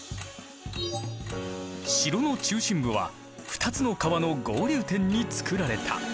城の中心部は２つの川の合流点につくられた。